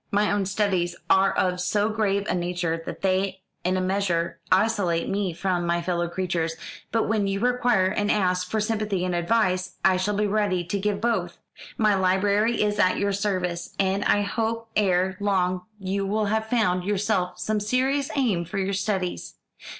My own studies are of so grave a nature that they in a measure isolate me from my fellow creatures, but when you require and ask for sympathy and advice, I shall be ready to give both. My library is at your service, and I hope ere long you will have found yourself some serious aim for your studies.